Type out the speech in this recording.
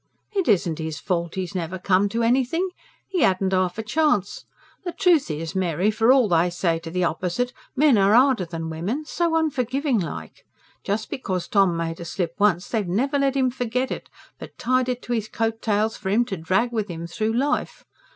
"It isn't his fault 'e's never come to anything. 'E hadn't half a chance. The truth is, Mary, for all they say to the opposite, men are harder than women so unforgiving like. Just because Tom made a slip once, they've never let 'im forget it, but tied it to 'is coat tails for 'im to drag with 'im through life.